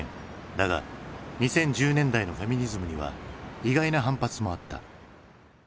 だが２０１０年代のフェミニズムには意外な反発もあった。